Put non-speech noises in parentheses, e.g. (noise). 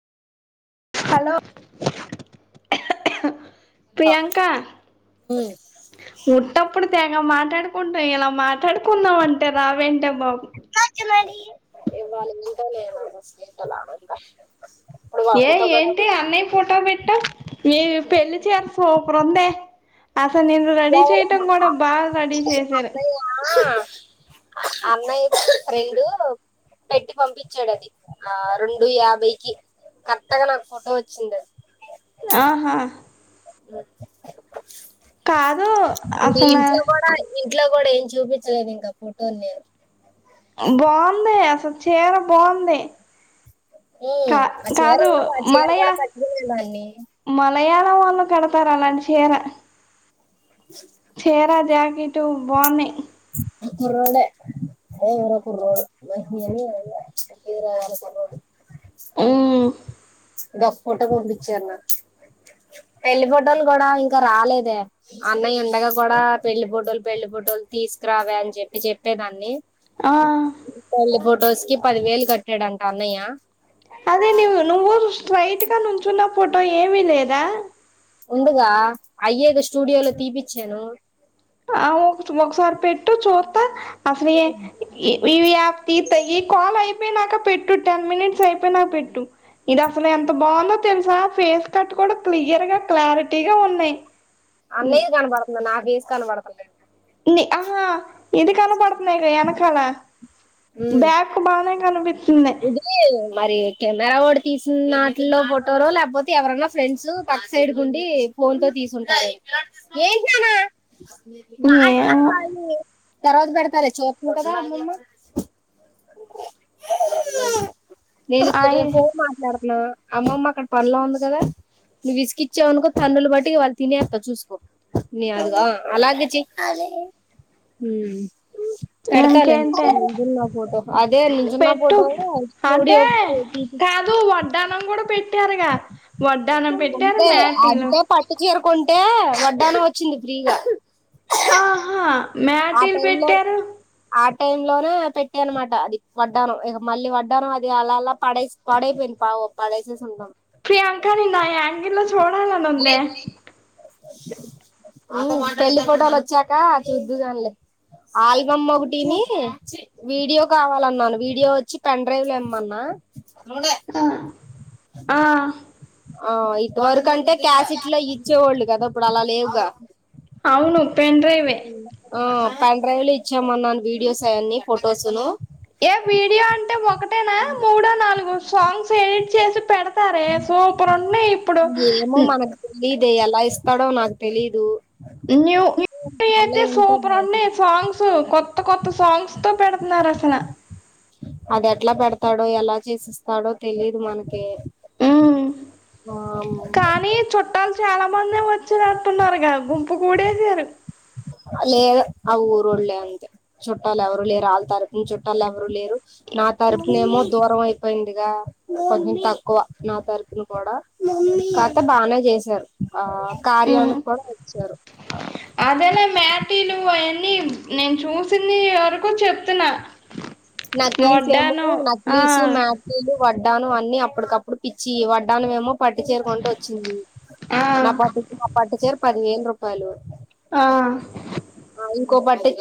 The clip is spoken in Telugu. హలో కోల్ కోరు (inaudible) ప్రియాంక ముట్టప్పుడు తేగ మాట టడుకుంట ఇలా మాట్లాడుకుందం అంటే రావేంటె బాబు ఇవ్వాళ ఉందో లేదో ఫస్ట్ నీతోనాడంట ఏ ఏంటి అన్నయ్య ఫోటో పెట్టావ్ ఏ పెళ్లి చే సూపరుందె అసలు నిన్ను రడీ చేయటం కూడా బాగ రడీ చేశారు అన్నయ్య అన్నయ్య ఫ్రెండూ పెట్టి పంపించాడది ఆ రొండూ యాభైకిి కరెక్ట్ గా నాకు ఫోటో వచ్చింది ఆహా కాదు మీ అసలు ఇంట్లో గూడా ఇంట్లో గూడ ఏం చూపించలేదు ఇంకా ఫోటోల్ నేను బావుందీ అసలు చీర బావుంది కా ఉమ్ ఆ చీర కాదు కూడా ఆ చీర మలయ కూడా మ కట్టుకునే దాన్ని మలయాళ వోళ్ళు కడతారలాంటి చీర చీరా జాకిట్టూ బావున్నయ్ కుర్రోడే ఏ ఎవరా కుర్రోడు ఒహ్ మీ అన్నయ్యనా అమ్మ పేరాయాలే కుర్రోడు ఊ గా ఫోటో చూపిచ్చే అన్న అ పెళ్లి పొటోలు గూడా ఇంక రాలేదే అన్నయ్యుండగా కూడా పెళ్లి పొటోలు పెళ్లి పొటోలు తీస్ కురావాలని చెప్పి చెప్పేదాన్ని ఆ పెళ్లి ఫొటోస్ కి పదివేలు కట్టాడంట అన్నయ్యా అదే నీవు నువ్వు స్ట్రైట్ గా నుంచున్న ఫోటో ఏమీ లేదా ఉందుగా అయ్యే స్టూడియోలో తీపిచ్చాను ఆ ఒ ఒకసారి పెట్టు చూత్త (unintelligible) (unintelligible) (unintelligible) అయిపోయినాక పెట్టు టెన్ మినిట్స్ అయిపోయి నాక పెట్టు ఇది అసలు ఎంత బాగుందో తెలుసా ఫేస్ కట్ కూడా క్లియర్ గా క్లారిటీగా ఉన్నయ్ అన్నయ్యే కనబడుతున్నడ్ నా బేస్ కనబడ ని ఆహా ఇది కనపడుతున్నయివే ఎనకాల బ్యాక్ బాగానే ఇదీ మరి కెమెరా వోడు తీసిన్నాటిలో ఫొటోలో లేకపోతే ఎవరన్నా ఫ్రెండ్స్ పక్క సైడ్ గుండీ ఫోన్ తో తీసుంటారు ఏమో తర్వాత పెడతాలే చూత్తున కదా నేను అయి (unintelligible) ఫోన్ మాట్లాడుత్న్నా అమ్మమ్మ అక్కడ పన్లో ఉంది గదా నువ్వు విసుగిచ్చావనుకో తన్నులు బడి వాళ్ళు తినేత్త చూసుకో మ్మ్ పెడతాలే ఇంకేంటే ఫోటో నువ్ నుంజున్న ఫోటో అదే నుంచున్న పెట్టు అంటే స్టూడియో కి పోయి తీపిచ్చు కాదు వడ్డానం కూడా పెట్టారుగా వడ్డానం పెట్టారు అంతే మ్యాటీలు అంటే పట్టు చీర కొన్ టే వడ్డాణం వచ్చింది ఫ్రీగా ఆహా మ్యాటిలు పెట్టారు టైం లోనే పెట్టాన్నమాట అది వడ్డానం ఎదో మళ్ళీ వడ్డానం అది అలా అలా పాడై పడైపొయింది పాపం ఓ పదైతే సొంతం ప్రియాంక నిన్నా యాంగిల్లో చూడాలనుందే పెళ్లి ఫోటోలొచ్చాకా చూద్దువుగానిలే ఆల్బమ్ ఒకటీనీ వీడియో కావాలన్నాను వీడియో వచ్చి పెన్ డ్రైవ్ లో ఇమ్మన్నా రొండే ఆ ఆ ఆ ఇదివరకుంటే క్యాసిట్లయ్యి చ్చేవోళ్ళు గదా ఇప్పుడు అలా లేవుగా అవును పెన్ డ్రైవే ఆ పన్ డ్రైవ్ లో ఇచ్చామన్నా వీడియోస్ అవన్నీ ఫొటోస్ ను ఏ వీడియో అంటే ఒకటేనా మూడో నాలుగు సాంగ్స్ ఎడిట్ చేసి పెడతా తారే సూపర్ ఉన్నాయి ఇప్పుడు ఇదే ఎలా ఇస్తాడో నాకు తెలియదు న్యూ ఇప్పుడైతే సూపర్ ఉన్నాయి సాంగ్స్ కొత్త కొత్త సాంగ్స్ తో పెడుతున్నారు అసల అది ఎట్లా పెడతాడో ఎలా చేసిస్తాడో తెలిదు మనకి ఉ ఆ కానీ చుట్టాలు చాలా మందే వచ్చిందట్టున్నారుగా గుంపు కూడేసారు లేదు ఆ ఊరోళ్ళే అంతే చుట్టాలు ఎవరూ లేరు వాళ్ళ తారపున చుట్టాలు ఎవరూ లేరు నా తరఫున ఏమో దూరం అయిపోయిందిగా కొంచెం తక్కువ నా తరఫున కూడా కాతే బాగానే చేశారు ఆ కార్యానికి కూడా వచ్చారు ప్యాటీలు అవన్నీ నేను చూసింది వరకు చెప్తున్నా నకిలీస్ ఏమో వడ్డానం ఆ నకిలీసు మ్యాట్లీలు వడ్డాణం అన్ని అప్పటికప్పుడు పిచ్చియి వడ్డాణం ఏమో పట్టు చీర కొంటే వచ్చింది ఆ నా పట్టు నా పట్టు చీర పది వేల రూపాయలు ఆ కోబట్టి